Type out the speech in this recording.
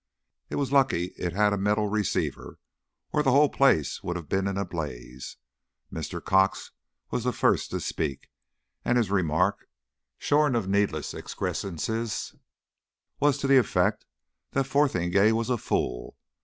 It was lucky it had a metal receiver, or the whole place would have been in a blaze. Mr. Cox was the first to speak, and his remark, shorn of needless excrescences, was to the effect that Fotheringay was a fool.